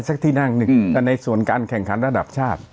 สักที่นั่งนึงในส่วนการแข่งขันระดับชาติ